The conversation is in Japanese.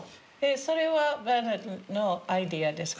それはバーナードのアイデアですか？